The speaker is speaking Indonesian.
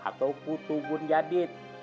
atau kutubun jadid